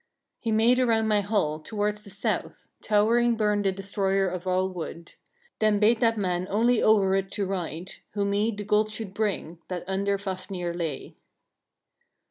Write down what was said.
10. He made around my hall, towards the south, towering burn the destroyer of all wood: then bade that man only over it to ride, who me the gold should bring, that under Fafnir lay.